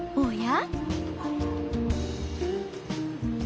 おや？